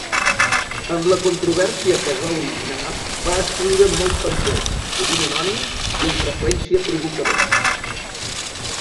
En la controvèrsia que es va originar, va escriure molts pamflets, sovint anònims i, amb freqüència, provocadors.